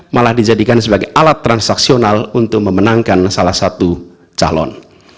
malah dijadikan sebagai alat transaksional untuk memenangkan salah satu calon